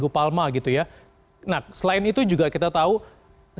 barang barang seluruh atau sp alotak ini juga kira kira lipat kekosongan ini